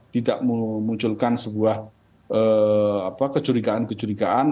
tidak memunculkan sebuah kejurigaan kejurigaan